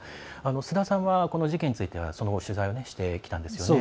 須田さんは事件について、その後取材をしてきたんですよね。